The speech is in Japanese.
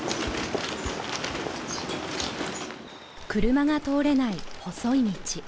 車が通れない細い道